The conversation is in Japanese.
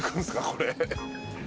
これ。